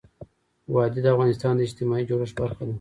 وادي د افغانستان د اجتماعي جوړښت برخه ده.